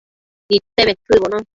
Nidte bedtsëcbono